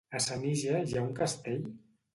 A Senija hi ha un castell?